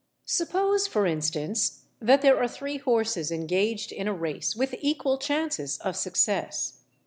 Suppose, for instance, that there are three horses engaged in a race with equal chances of success.